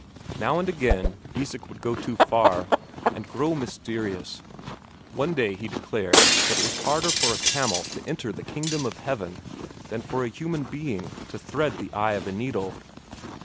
Now and again, Isak would go too far, and grow mysterious; one Friday he declared that it was harder for a camel to enter the kingdom of heaven than for a human being to thread the eye of a needle.